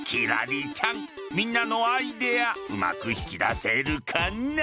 みんなのアイデアうまく引き出せるかな。